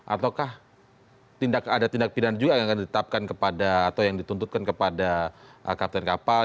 ataukah ada tindak pidana juga yang akan ditetapkan kepada atau yang dituntutkan kepada kapten kapal